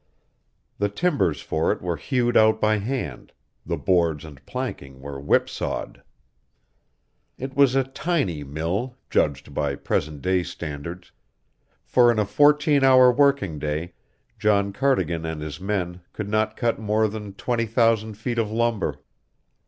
The timbers for it were hewed out by hand; the boards and planking were whipsawed. It was a tiny mill, judged by present day standards, for in a fourteen hour working day John Cardigan and his men could not cut more than twenty thousand feet of lumber.